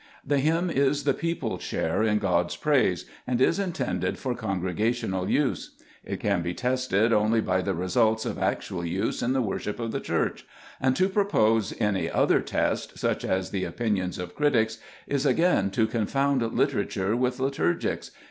The hymn is the people's share in God's praise, and is intended for con gregational use. It can be tested only by the results of actual use in the worship of the Church j and to propose any other test (such as the opinions of critics) is, again, to confound literature with liturgies.